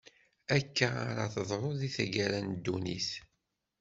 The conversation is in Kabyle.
Akka ara teḍru di taggara n ddunit.